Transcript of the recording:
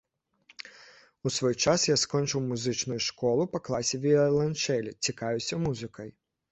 У свой час я скончыў музычную школу па класе віяланчэлі, цікавіўся музыкай.